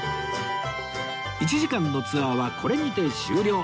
１時間のツアーはこれにて終了！